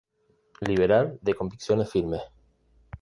Liberal de convicciones firmes.